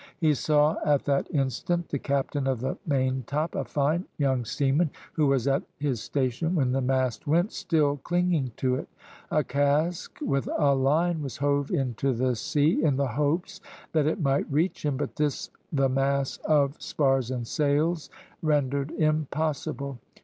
He saw at that instant the captain of the maintop, a fine young seaman, who was at his station when the mast went, still clinging to it. A cask with a line was hove into the sea, in the hopes that it might reach him, but this the mass of spars and sails rendered impossible.